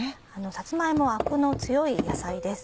さつま芋はアクの強い野菜です。